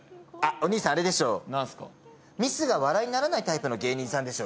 お兄さんあれでしょ、ミスが笑いにならないタイプの芸人でしょ。